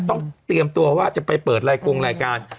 ต้องเตรียมตัวว่าจะไปเปิดรายกงรายการ